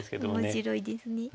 面白いですね。